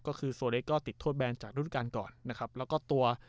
ก็คือโซเล็กก็ติดโทษแบนจากรุ่นการก่อนนะครับแล้วก็ตัว